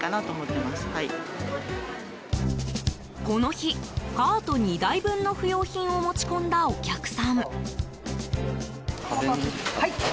この日、カート２台分の不用品を持ち込んだお客さん。